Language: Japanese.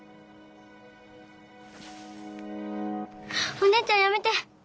お姉ちゃんやめて！